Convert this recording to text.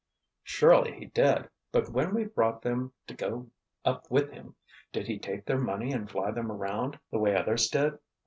"Surely he did! But when we brought them to go up with him, did he take their money and fly them around, the way others did?